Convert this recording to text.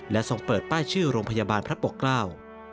และส่งเปิดป้ายชื่อโรงพยาบาลพระปกเกล้า